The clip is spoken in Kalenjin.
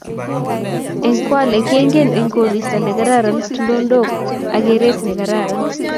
eng kwale kengen eng koristo ne kararan tulondok ak keret ne kararan